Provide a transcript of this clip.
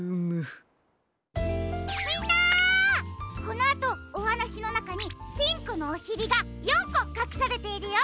このあとおはなしのなかにピンクのおしりが４こかくされているよ。